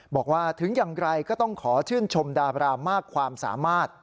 บอกว่าถึงอย่างไรก็ต้องขอชื่นชมดาบรามากความสามารถ